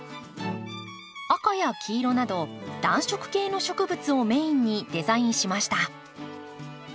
赤や黄色など暖色系の植物をメインにデザインしました。